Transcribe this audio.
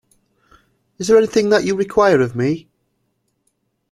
Is there anything that you require of me?